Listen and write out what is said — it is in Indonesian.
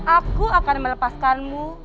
aku akan melepaskanmu